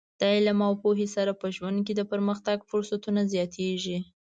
د علم او پوهې سره په ژوند کې د پرمختګ فرصتونه زیاتېږي.